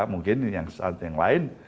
mungkin yang lain